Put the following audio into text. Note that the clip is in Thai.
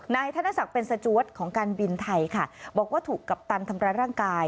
ธนศักดิ์เป็นสจวดของการบินไทยค่ะบอกว่าถูกกัปตันทำร้ายร่างกาย